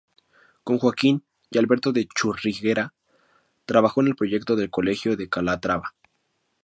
Con Joaquín y Alberto de Churriguera trabajó en el proyecto del Colegio de Calatrava.